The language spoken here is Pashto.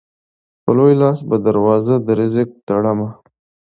په لوی لاس به دروازه د رزق تړمه